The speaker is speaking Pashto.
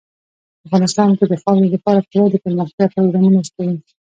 افغانستان کې د خاورې لپاره پوره دپرمختیا پروګرامونه شته دي.